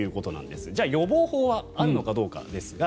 じゃあ予防法はあるのかどうか。